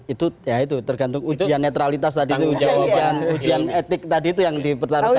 itu ya itu tergantung ujian netralitas tadi itu ujian etik tadi itu yang dipertaruhkan